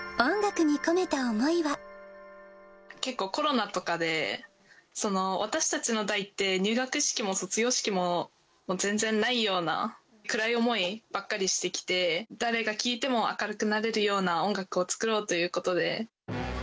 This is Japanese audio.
結構、コロナとかで、私たちの代って、入学式も卒業式も全然ないような、暗い思いばっかりしてきて、誰が聴いても明るくなれるような音楽を作ろうということで。